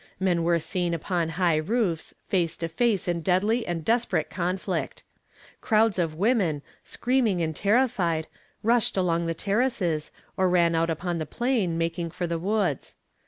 Men were seen upon high roofs, face to face in deadly and desperate conflict. Crowds of women, screaming and terrified, rushed along the terraces, or ran out upon the plain, making for the woods.